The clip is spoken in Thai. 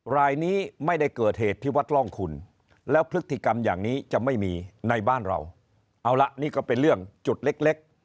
รายนี้ไม่ได้เกิดเหตุที่วัดร่องคุณแล้วพฤติกรรมอย่างนี้จะไม่มีในบ้านเราเอาละนี่ก็เป็นเรื่องจุดเล็ก